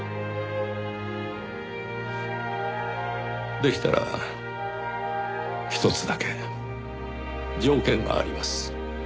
でしたら一つだけ条件があります。